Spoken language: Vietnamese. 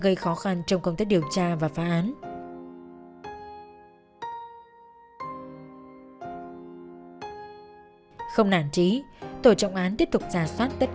gây khó khăn trong công tác điều tra và phá án không nản trí tổ trọng án tiếp tục giả soát tất